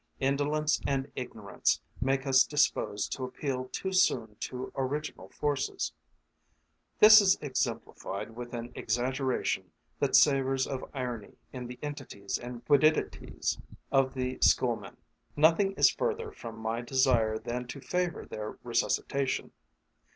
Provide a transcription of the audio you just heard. Indolence and ignorance make us disposed to appeal too soon to original forces. This is exemplified with an exaggeration that savours of irony in the entities and quidities of the schoolmen. Nothing is further from my desire than to favour their resuscitation.